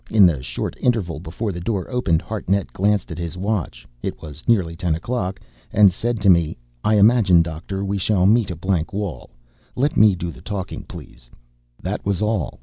In the short interval before the door opened, Hartnett glanced at his watch (it was nearly ten o'clock), and said to me: "I imagine, Doctor, we shall meet a blank wall. Let me do the talking, please." That was all.